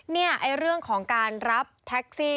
นี่เรื่องของการรับแท็กซี่